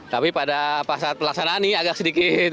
tapi pada saat pelaksanaan ini agak sedikit